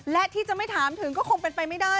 และที่จะไม่ถามถึงก็คงเป็นไปไม่ได้